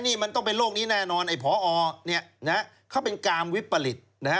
นี่มันต้องเป็นโลกนี้แน่นอนพอเขาเป็นกามวิปริต